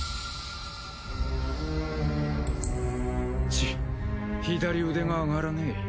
チッ左腕が上がらねえ。